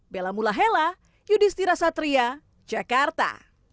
bella mula hela yudhistira satria jakarta